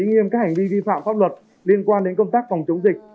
nghiêm các hành vi vi phạm pháp luật liên quan đến công tác phòng chống dịch